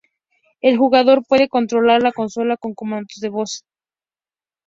El jugador puede controlar la consola con comandos de voz.